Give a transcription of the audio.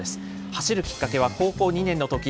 走るきっかけは高校２年のとき。